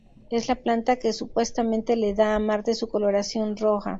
Es la planta que supuestamente le da a Marte su coloración roja.